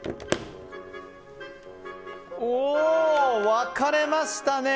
分かれましたね。